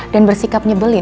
dan bersikap nyebelin